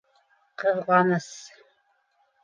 Ҡыҙғаныс!